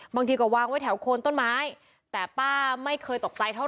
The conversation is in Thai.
บางทีก็วางไว้แถวโคนต้นไม้แต่ป้าไม่เคยตกใจเท่าไ